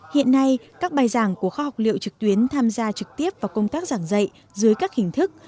hiện nay các bài giảng của kho học liệu trực tuyến tham gia trực tiếp vào công tác giảng dạy dưới các hình thức